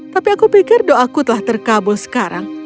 tapi aku pikir doaku telah terkabul sekarang